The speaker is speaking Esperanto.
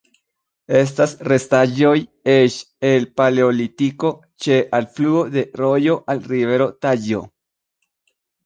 Estas restaĵoj eĉ el Paleolitiko, ĉe alfluo de rojo al rivero Taĵo.